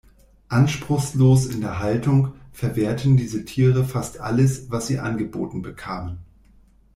Anspruchslos in der Haltung, verwerteten diese Tiere fast alles, was sie angeboten bekamen.